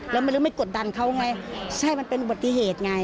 เราไม่รู้ไม่กดดันเขาไงใช่มันเป็นปฏิเหตุไง